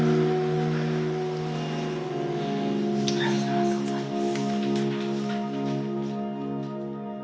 ありがとうございます。